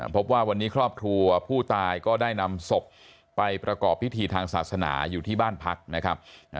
พบว่าวันนี้ครอบครัวผู้ตายก็ได้นำศพไปประกอบพิธีทางศาสนาอยู่ที่บ้านพักนะครับ